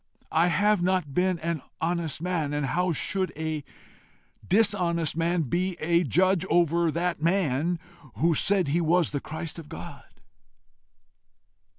I have NOT been an honest man, and how should a dishonest man be a judge over that man who said he was the Christ of God?